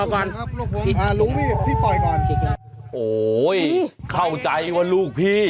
โห้ยเข้าใจว่าลูกพี่